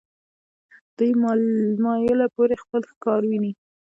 دوه مایله پورې خپل ښکار ویني.